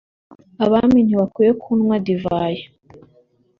abami ntibakwiye kunywa divayi